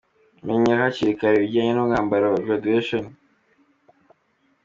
Menya hakiri kare ibijyanye n’umwambaro wa ‘graduation’.